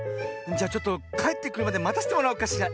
じゃちょっとかえってくるまでまたせてもらおうかしら。